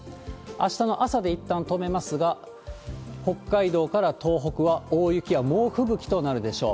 あしたの朝でいったん止めますが、北海道から東北は大雪や猛吹雪となるでしょう。